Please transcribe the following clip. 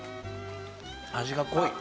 味が濃い。